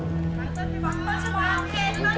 ฟองเพลงคุณหนูตรีคือกู